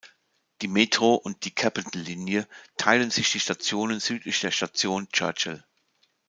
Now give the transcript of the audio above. Die Metro- und die Capital-Linie teilen sich die Stationen südlich der Station Churchill.